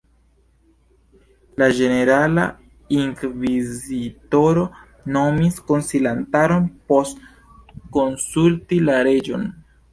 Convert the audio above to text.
La Ĝenerala Inkvizitoro nomis konsilantaron post konsulti la reĝon.